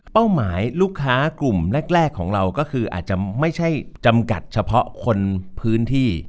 หมายลูกค้ากลุ่มแรกของเราก็คืออาจจะไม่ใช่จำกัดเฉพาะคนพื้นที่